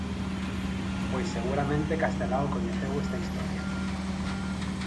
Pois seguramente Castelao coñeceu esta historia.